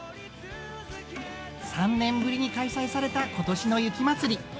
３年ぶりに開催された今年の雪まつり。